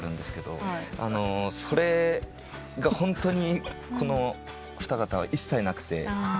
それがホントにこの二方は一切なくて。